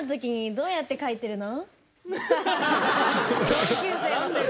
どうやって書いてるの？